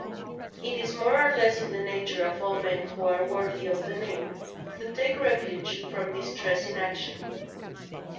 It is more or less in the nature of all men who are worthy of the name, to take refuge from distress in action.